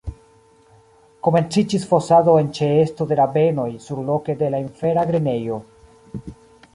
Komenciĝis fosado en ĉeesto de rabenoj surloke de la infera grenejo.